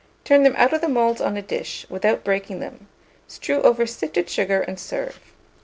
Turn them out of the moulds on a dish, without breaking them; strew over sifted sugar, and serve.